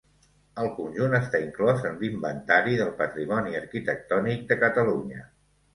El conjunt està inclòs en l'Inventari del Patrimoni Arquitectònic de Catalunya.